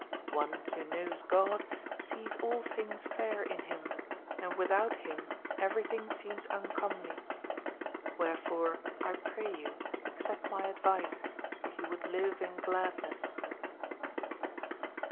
One who knows God sees all things fair in Him, and without Him everything seems uncomely; wherefore, I pray you, accept my advice, if you would live in gladness."